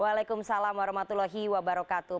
waalaikumsalam warahmatullahi wabarakatuh